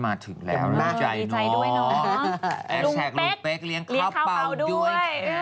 เค้าเปล่าด้วยอื้อมันเพียงเข่มกาวด้วย